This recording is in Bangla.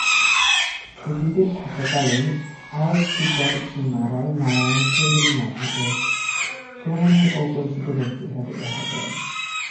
ছুটিতে থাকাকালীন, আর্ট টিচার সীমা রাই নারায়ণ চৌধুরী নামে এক কমনীয় অপরিচিত ব্যক্তির সাথে দেখা করেন।